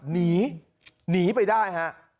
หนีหนีไปได้ฮะ